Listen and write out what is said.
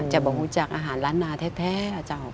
จะบอกว่าจากอาหารร้านนาแท้นะเจ้า